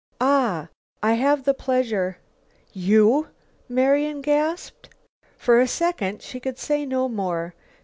"Ah! I have the pleasure " "You?" Marian gasped. For a second she could say no more.